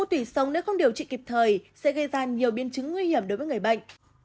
u tùy sống nếu không điều trị kịp thời sẽ gây ra nhiều biên chứng nguy hiểm đối với người bệnh